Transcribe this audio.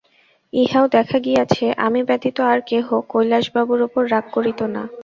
ইহাও দেখা গিয়াছে আমি ব্যতীত আর কেহ কৈলাসবাবুর উপর রাগ করিত না।